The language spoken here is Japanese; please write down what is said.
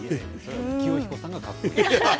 きよ彦さんがかっこいい。